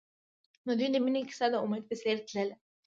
د دوی د مینې کیسه د امید په څېر تلله.